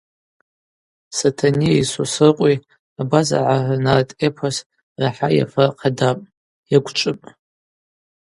Сатанейи Сосрыкъви абазаргӏа рнарт эпос рахӏа йафыр хъадапӏ, йагвчӏвыпӏ.